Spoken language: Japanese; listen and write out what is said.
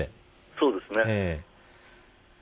そうですね。